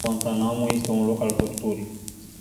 Guantánamo este un loc al torturii.